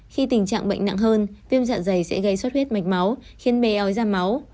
khi tình trạng bệnh nặng hơn viêm dạ dày sẽ gây suất huyết mạch máu khiến bé ói ra máu